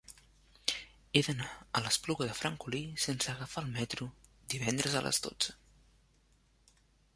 He d'anar a l'Espluga de Francolí sense agafar el metro divendres a les dotze.